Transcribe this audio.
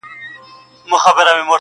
نه یې مینه سوای له زړه څخه شړلای-